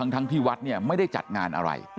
ทั้งที่วัดเนี่ยไม่ได้จัดงานอะไร